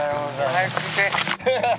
早く来て。